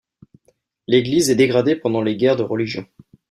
L'église est dégradée pendant les guerres de religion.